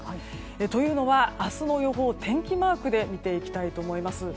というのは、明日の予報天気マークで見ていきたいと思います。